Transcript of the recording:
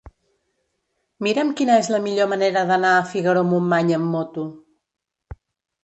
Mira'm quina és la millor manera d'anar a Figaró-Montmany amb moto.